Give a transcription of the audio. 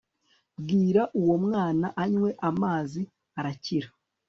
bwira uwo mwana anywe amazi arakira